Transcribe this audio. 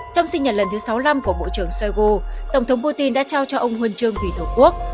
trong sinh nhật lần thứ sáu mươi năm của bộ trưởng shoigo tổng thống putin đã trao cho ông huân chương vì thổ quốc